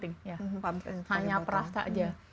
ya hanya perasa aja